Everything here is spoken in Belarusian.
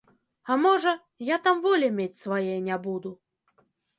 А можа, я там волі мець свае не буду.